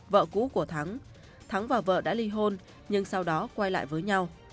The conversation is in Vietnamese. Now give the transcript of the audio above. vợ cũ của thắng thắng và vợ đã ly hôn nhưng sau đó quay lại với nhau